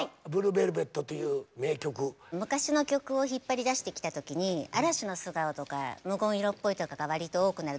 昔の曲を引っ張り出してきた時に「嵐の素顔」とか「ＭＵＧＯ・ん色っぽい」とかがわりと多くなる。